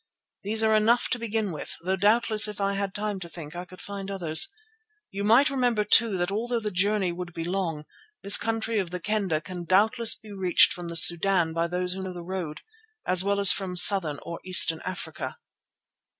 These are enough to begin with, though doubtless if I had time to think I could find others. You must remember too that although the journey would be long, this country of the Kendah can doubtless be reached from the Sudan by those who know the road, as well as from southern or eastern Africa."